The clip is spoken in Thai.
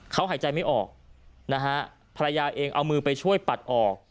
เขาหายใจไม่ออกนะฮะภรรยาเองเอามือไปช่วยปัดออก